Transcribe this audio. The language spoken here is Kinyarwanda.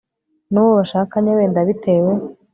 n'uwo bashakanye wenda bitewe